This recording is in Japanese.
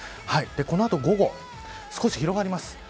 この後午後、少し広がります。